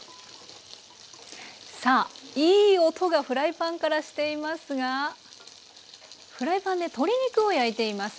さあいい音がフライパンからしていますがフライパンで鶏肉を焼いています。